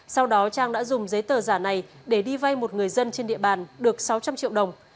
sau đó trang đã dùng giấy tờ giả này để đi vay một người dân trên địa bàn được sáu trăm linh triệu đồng